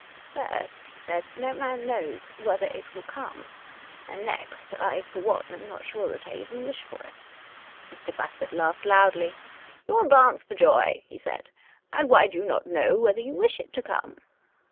" First," he said, ^'jio man knows whether it will come. And, next, I for one am not sure if I even wish for it." Mr. Bassett laughed loudly. " You will dance for joy I " he said. " And why do you not know whether you wish it to come?